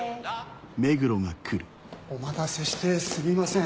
お待たせしてすみません。